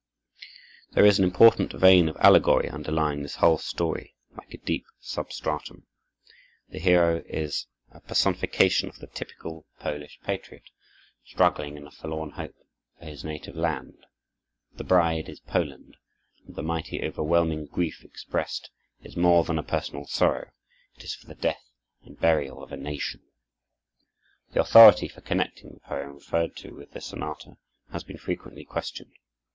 There is an important vein of allegory underlying this whole story, like a deep substratum. The hero is a personification of the typical Polish patriot, struggling, in a forlorn hope, for his native land; the bride is Poland, and the mighty, overwhelming grief expressed is more than a personal sorrow: it is for the death and burial of a nation. The authority for connecting the poem referred to with this sonata has been frequently questioned.